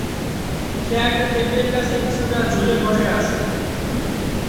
সে একটা টেবিলের কাছে কিছুটা ঝুলে বসে আছে।